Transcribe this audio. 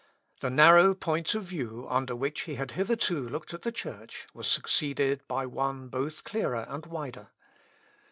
The narrow point of view under which he had hitherto looked at the Church was succeeded by one both clearer and wider.